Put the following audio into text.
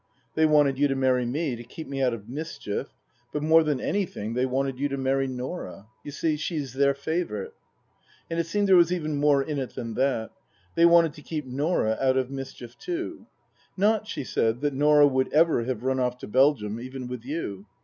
They wanted you to marry me to keep me out of mischief, but more than anything they wanted you to marry Norah. You see, she's their favourite." And it seemed there was even more in it than that. They wanted to keep Norah out of mischief too. " Not," she said, " that Norah would ever have run off to Belgium, even with you."